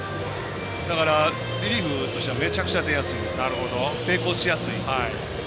だからリリーフとしてはめちゃくちゃ出やすい成功しやすい。